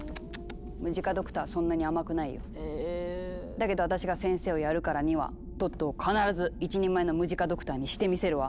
だけど私が先生をやるからにはトットを必ず一人前のムジカドクターにしてみせるわ。